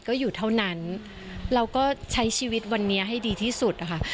ก็อยู่เท่านั้นเราก็ใช้ชีวิตวันนี้ให้ดีที่สุดนะคะ